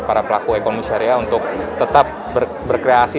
para pelaku ekonomi syariah untuk tetap berkreasi